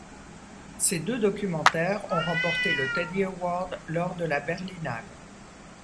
Ces deux documentaires ont remporté le Teddy Award lors de la Berlinale.